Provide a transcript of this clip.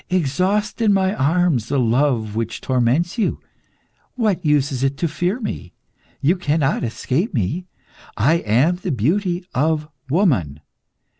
Exhaust in my arms the love which torments you. What use is it to fear me? You cannot escape me; I am the beauty of woman.